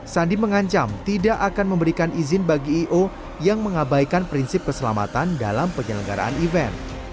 sandi mengancam tidak akan memberikan izin bagi i o yang mengabaikan prinsip keselamatan dalam penyelenggaraan event